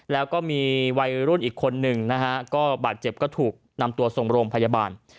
แล้วก็มีวัยรุ่นอีกคนนึงนะฮะก็บาดเจ็บก็ถูกนำตัวส่งโรงพยาบาล